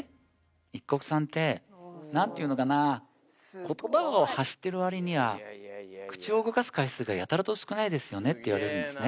いっこくさんって何ていうのかな言葉を発してる割には口を動かす回数がやたらと少ないですよね」って言われるんですね。